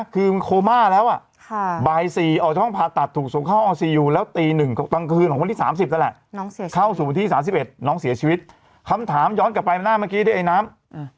เข้าสู่ที่๓๑น้องเสียชีวิตคำถามย้อนกลับไปมาหน้าเมื่อกี้ด้วยไอน้ำ